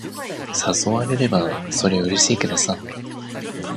誘われれば、そりゃうれしいけどさ。